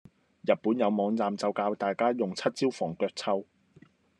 日本有網站就教大家用七招防腳臭